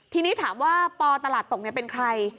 ทีนี้ถามว่าปตลาดตกเป็นใคร